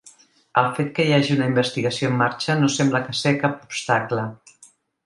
El fet que hi hagi una investigació en marxa no sembla ser cap obstacle.